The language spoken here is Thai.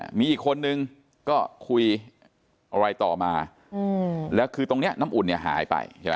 มีคนนึงก็คุยอะไรต่อมาอืมแล้วคือตรงเนี้ยน้ำอุ่นเนี่ยหายไปใช่ไหม